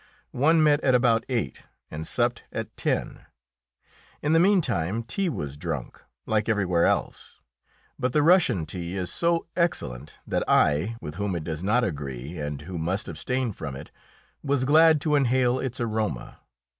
One met at about eight and supped at ten. In the meantime tea was drunk, like everywhere else. But the Russian tea is so excellent that I with whom it does not agree, and who must abstain from it was glad to inhale its aroma.